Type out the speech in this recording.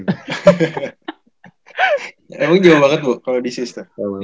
emang jauh banget bu kalau di sis tuh